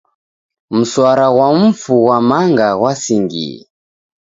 Msara ghwa mfu ghwa manga ghwasingie.